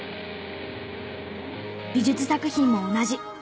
美術作品も同じ。